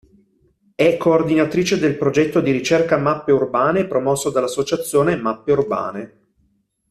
È coordinatrice del progetto di ricerca "Mappe Urbane", promosso dall'associazione "Mappe Urbane".